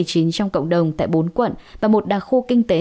trong cộng đồng tại bốn quận và một đặc khu kinh tế